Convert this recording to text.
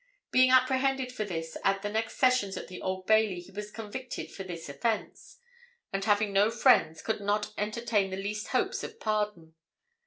Being apprehended for this, at the next sessions at the Old Bailey he was convicted for this offence, and having no friends, could not entertain the least hopes of pardon.